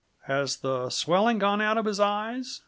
"Has the swelling gone out of his eyes?"